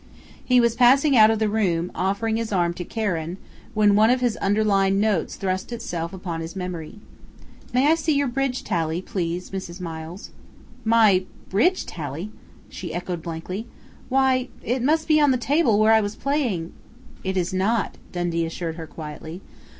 He was passing out of the room, offering his arm to Karen, when one of his underlined notes thrust itself upon his memory: "May I see your bridge tally, please, Mrs. Miles?" "My bridge tally!" she echoed blankly. "Why it must be on the table where I was playing " "It is not," Dundee assured her quietly.